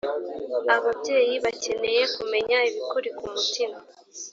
ababyeyi bakeneye kumenya ibikuri ku mutima